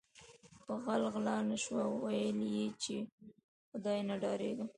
په غل غلا نشوه ویل یی چې ی خدای نه ډاریږم